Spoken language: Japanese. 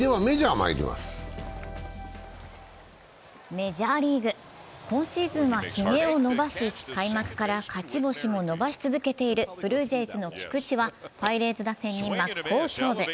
メジャーリーグ、今シーズンはひげを伸ばし開幕から勝ち星も伸ばし続けているブルージェイズの菊池はパイレーツ打線に真っ向勝負。